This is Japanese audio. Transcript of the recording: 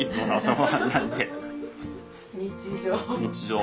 日常。